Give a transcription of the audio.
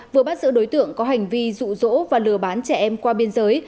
vừa bắt giữ đối tượng có hành vi rụ rỗ và lừa bán trẻ em qua biên giới